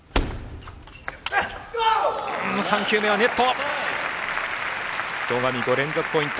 ３球目はネット。